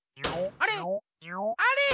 あれ？